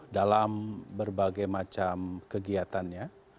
dalam berbagai macam kegiatannya